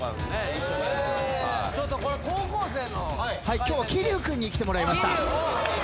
今日は桐生君に来てもらいました。